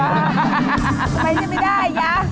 ทำไมจะไม่ได้ยะ